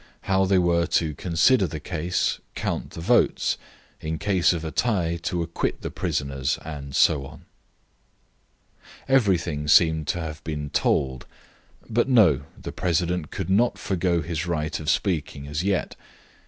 how they were to consider the case, count the votes, in case of a tie to acquit the prisoners, and so on. Everything seemed to have been told; but no, the president could not forego his right of speaking as yet.